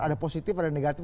ada positif ada negatif